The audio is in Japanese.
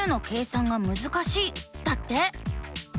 だって。